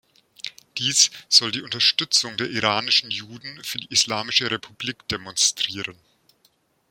Dies soll die Unterstützung der iranischen Juden für die Islamische Republik demonstrieren.